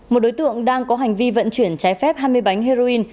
một đối tượng đang có hành vi vận chuyển trái phép hai mươi bánh heroin